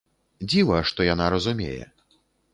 Дзіва, што яна разумее.